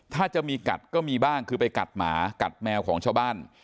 ถ้าจะมีกัดก็มีบ้างคือไปกัดหมากัดแมวของชาวบ้าน